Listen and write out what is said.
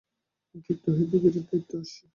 মাতৃত্ব হইতে বিরাট দায়িত্ব আসে।